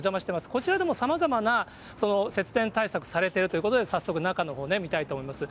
こちらでもさまざまな節電対策されているということで、早速、中のほう、見たいと思います。